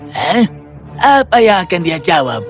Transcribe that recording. hah apa yang akan dia jawab